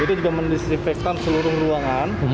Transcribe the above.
itu juga mendisinfektan seluruh ruangan